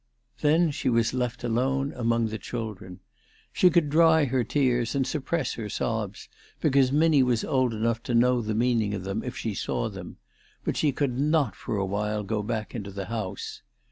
Then she was left alone among the children. She could dry her tears and suppress her sobs, because Minnie was old enough to know the meaning of them if she saw them ; but she could not for awhile go back into the house.